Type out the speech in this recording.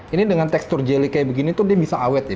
ini dengan tekstur jeli kayak begini tuh dia bisa awet ya